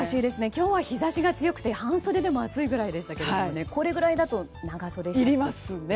今日は日差しが強くて半袖でも暑いぐらいでしたけどこれぐらいだと長袖ですかね。